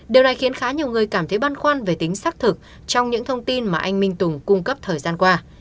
điều này khiến khá nhiều người cảm thấy băn khoăn về tính xác thực trong những thông tin mà anh minh tùng cung cấp thời gian qua